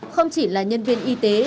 không chỉ là nhân viên y tế